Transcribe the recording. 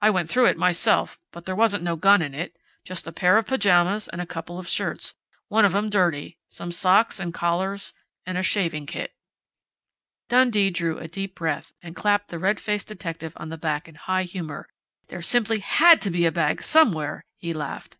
I went through it myself, but there wasn't no gun in it. Just a pair of pajamas and a couple of shirts, one of 'em dirty, some socks and collars and a shaving kit " Dundee drew a deep breath, and clapped the red faced detective on the back in high good humor. "There simply had to be a bag somewhere!" he laughed.